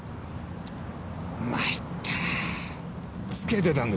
まいったなぁつけてたんですか。